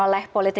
kalau kita lihat